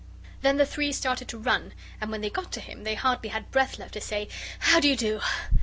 Then the three started to run and when they got to him they hardly had breath left to say: "How do you do?"